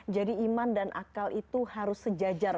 jadi iman dan akal itu harus sejajar